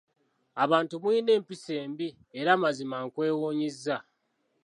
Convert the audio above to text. Abantu mulina empisa embi! Era mazima nkwewuunyizza!